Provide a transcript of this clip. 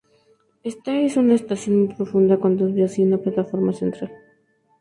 Esta es una estación muy profunda con dos vías y una plataforma central.